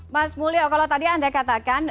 mas mulyo kalau tadi anda katakan